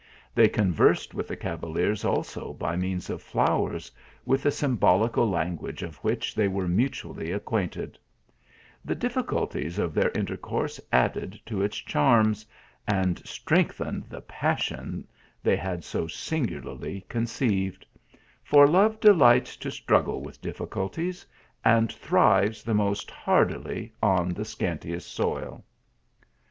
They conversed with the cavaliers also by means of flowers, with the sym bolical language of which they were mutually ac quainted : the difficulties of their intercourse added to its charms, and strengthened the passion they had so singularly conceived ; for love delights to struggle with difficulties, and thrives the most hardily on the scantiest soil.